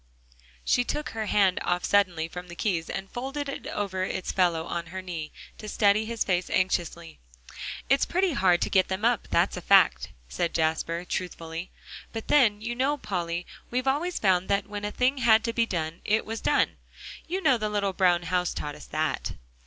She took her hand off suddenly from the keys and folded it over its fellow on her knee, to study his face anxiously. "It's pretty hard to get them up, that's a fact," said Jasper truthfully, "but then, you know, Polly, we've always found that when a thing had to be done, it was done. You know the little brown house taught us that."